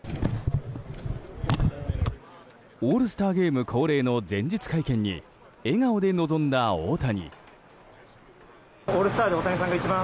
オールスターゲーム恒例の前日会見に笑顔で臨んだ大谷。